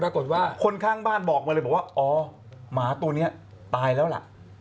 คนข้างบ้านบอกมาเลยบอกว่าอ๋อหมาตัวนี้ตายแล้วล่ะ